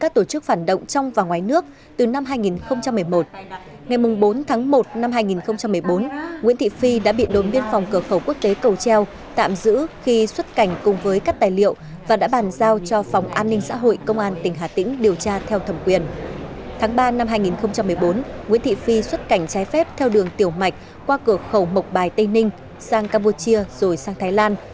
tháng ba năm hai nghìn một mươi bốn nguyễn thị phi xuất cảnh trái phép theo đường tiểu mạch qua cửa khẩu mộc bài tây ninh sang campuchia rồi sang thái lan